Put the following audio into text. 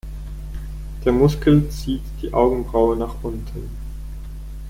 Der Muskel zieht die Augenbraue nach unten.